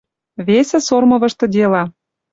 Весӹ Сормовышты дела: